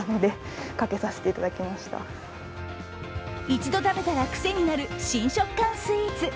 一度食べたらクセになる新食感スイーツ。